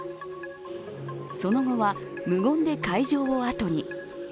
その後は無言で会場をあとに。